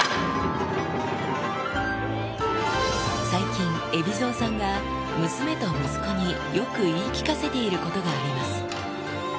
最近、海老蔵さんが娘と息子によく言い聞かせていることがあります。